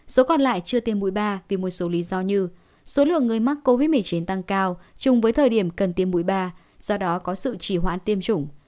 số còn lại chưa tiêm mũi ba vì một số lý do như số lượng người mắc covid một mươi chín tăng cao chung với thời điểm cần tiêm mũi ba do đó có sự chỉ hoãn tiêm chủng